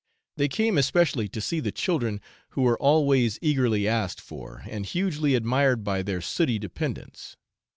They came especially to see the children, who are always eagerly asked for, and hugely admired by their sooty dependents.